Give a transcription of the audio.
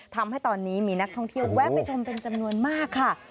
ทำให้ตอนนี้มีนักท่องเที่ยวแวะไปชมเป็นจำนวนมากค่ะ